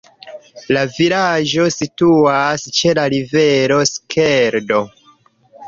La vilaĝo situas ĉe la rivero Skeldo.